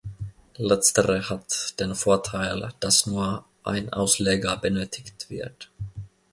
Letztere hat den Vorteil, dass nur ein Ausleger benötigt wird.